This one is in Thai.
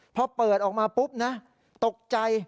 พอเปิดออกมาปุ๊บนะตกใจ